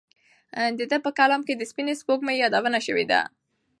د ده په کلام کې د سپینې سپوږمۍ یادونه شوې ده.